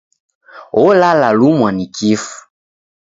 Olala lumwa ni kifu.